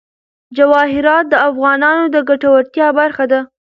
جواهرات د افغانانو د ګټورتیا برخه ده.